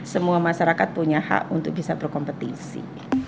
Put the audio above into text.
semua masyarakat punya hak untuk bisa berkompetisi